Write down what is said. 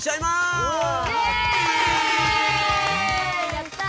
やった！